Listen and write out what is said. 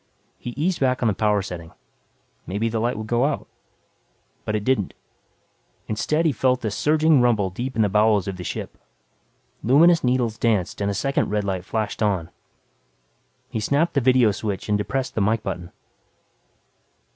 He eased back on the power setting. Maybe the light would go out. But it didn't. Instead he felt a surging rumble deep in the bowels of the ship. Luminous needles danced and a second red light flashed on. He snapped the vidio switch and depressed the mike button.